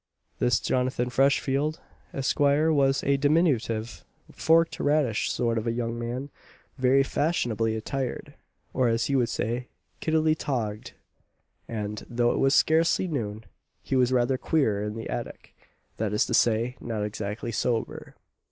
This Jonathan Freshfield, Esq., was a diminutive, forked radish sort of a young man, very fashionably attired, or, as he would say, kiddily togg'd; and, though it was scarcely noon, he was rather queer in the attic; that is to say, not exactly sober.